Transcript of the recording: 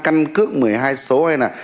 căn cước một mươi hai số hay là